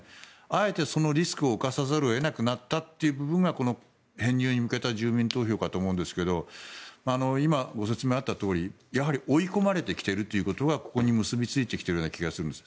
あえて、そのリスクを冒さざるを得なくなったという部分がこの編入に向けた住民投票だと思うんですが今、ご説明があったとおり追い込まれてきているということがここに結びついてきているような気がするんです。